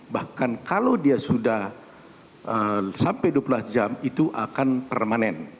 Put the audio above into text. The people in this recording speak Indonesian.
bahkan kalau dia sudah sampai dua belas jam itu akan permanen